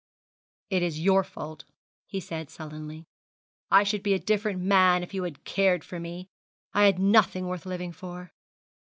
'It is your fault,' he said sullenly. 'I should be a different man if you had cared for me. I had nothing worth living for.'